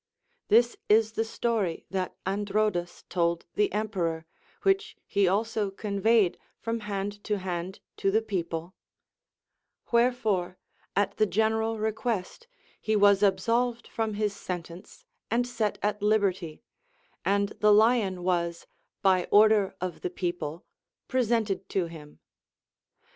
This is the story that Androdus told the emperor, which he also conveyed from hand to hand to the people; wherefore, at the general request, he was absolved from his sentence and set at liberty, and the lion was, by order of the people, presented to him.